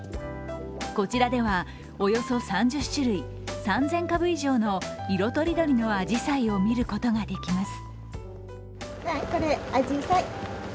こちらでは、およそ３０種類３０００株以上の色とりどりのあじさいを見ることができます。